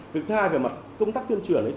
vì thế hai về mặt công tác tuyên truyền